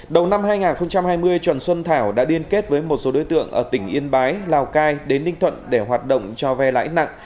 đầu năm hai nghìn hai mươi trần xuân thảo đã liên kết với một số đối tượng ở tỉnh yên bái lào cai đến ninh thuận để hoạt động cho vay lãi nặng